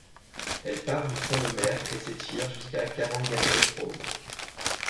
Elle part du front de mer et s'étire jusqu'à Karangahape Road.